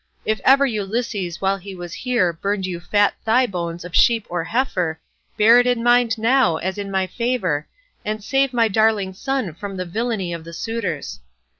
If ever Ulysses while he was here burned you fat thigh bones of sheep or heifer, bear it in mind now as in my favour, and save my darling son from the villainy of the suitors."